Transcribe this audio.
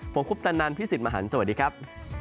ผมคุปตันนันพี่สิทธิ์มหันฯสวัสดีครับ